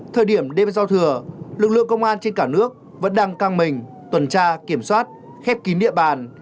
thời điểm đêm giao thừa lực lượng công an trên cả nước vẫn đang căng mình tuần tra kiểm soát khép kín địa bàn